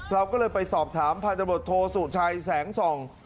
เราก็เลยไปสอบถามพันธบทโทสุชัยแสงส่อง